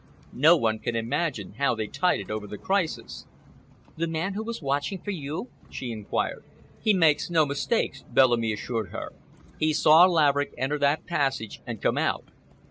No one can imagine how they tided over the crisis." "The man who was watching for you?" she inquired. "He makes no mistakes," Bellamy assured her. "He saw Laverick enter that passage and come out.